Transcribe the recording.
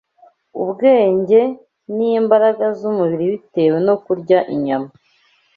ubwenge, n’imbaraga z’umubiri bitewe no kurya inyama